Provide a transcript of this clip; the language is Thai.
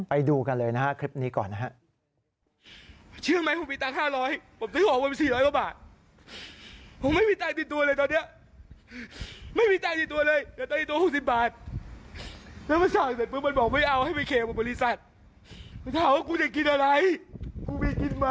ไปดูกันเลยนะฮะคลิปนี้ก่อนนะครับ